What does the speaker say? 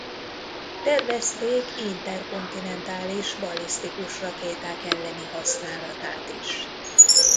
Tervezték interkontinentális ballisztikus rakéták elleni használatát is.